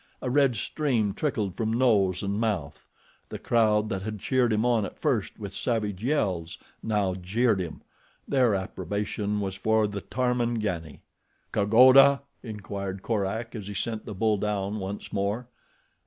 A red stream trickled from nose and mouth. The crowd that had cheered him on at first with savage yells, now jeered him—their approbation was for the Tarmangani. "Kagoda?" inquired Korak, as he sent the bull down once more.